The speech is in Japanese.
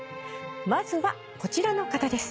まずはこちらの方です。